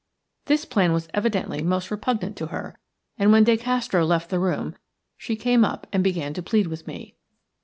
This plan was evidently most repugnant to her, and when De Castro left the room she came up and began to plead with me.